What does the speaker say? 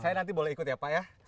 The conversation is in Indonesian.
saya nanti boleh ikut ya pak ya